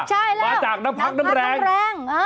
มาจากน้ำพักน้ำแรง